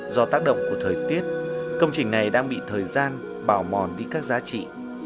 do tác động của thời tiết công trình này đang bị thời gian bảo mòn với các giá trị